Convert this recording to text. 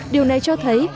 điều này cho thấy